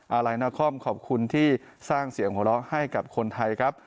อะไรนาคอมขอบคุณที่สร้างเสียงหัวเราะให้กับคนไทยครับ